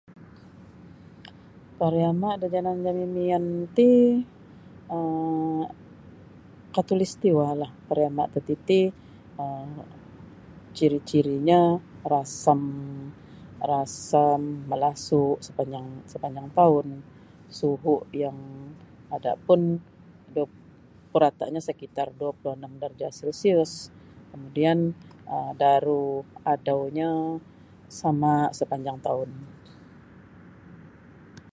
Pariama da yanan jami mian ti um khatulistiwa lah pariama tatiti[um] ciri-cirinyo rasam rasam malasu sapanjang sapanjang taun suhu yang ada pun da puratanyo sekitar dua puluh anam darjah celsius kamudian um daru adaunyo sama sapanjang toun.